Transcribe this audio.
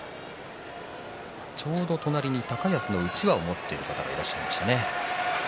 ちょうど隣に高安のうちわを持っている方がいらっしゃいましたね。